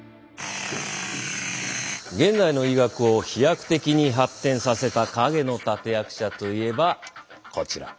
現代の医学を飛躍的に発展させた陰の立て役者といえばこちら。